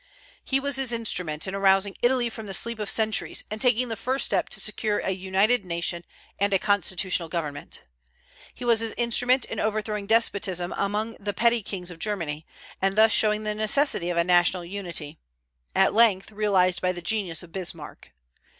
He was His instrument in arousing Italy from the sleep of centuries, and taking the first step to secure a united nation and a constitutional government. He was His instrument in overthrowing despotism among the petty kings of Germany, and thus showing the necessity of a national unity, at length realized by the genius of Bismarck.